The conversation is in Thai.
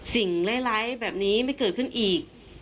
สิ่งไร้แบบนี้ไม่เกิดขึ้นอีก